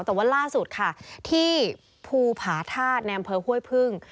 แต่ว่าล่าสุดที่ภูผาธาตรแนมเผอร์ฮ่วยพึ่ง